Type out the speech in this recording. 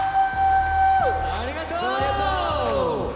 ありがとう！